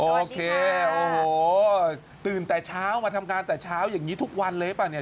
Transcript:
โอ้โหตื่นแต่เช้ามาทำการแต่เช้าอย่างนี้ทุกวันเลยเปล่ะเนี้ย